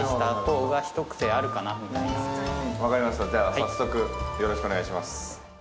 早速よろしくお願いします。